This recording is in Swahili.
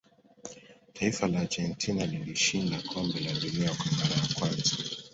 taifa la argentina lilishinda kombe la dunia kwa mara ya kwanza